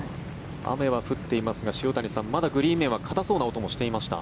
雨は降っていますがまだグリーン面は硬そうな音もしていました。